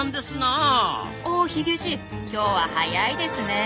あヒゲじい今日は早いですねえ。